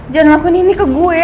jangan lakuin ini ke gue